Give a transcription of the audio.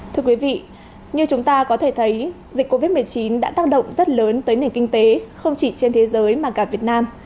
thưa quý vị như chúng ta có thể thấy dịch covid một mươi chín đã tác động rất lớn tới nền kinh tế không chỉ trên thế giới mà cả việt nam